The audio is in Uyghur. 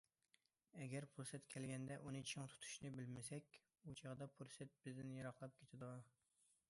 ئەگەر پۇرسەت كەلگەندە ئۇنى چىڭ تۇتۇشنى بىلمىسەك، ئۇ چاغدا پۇرسەت بىزدىن يىراقلاپ كېتىدۇ.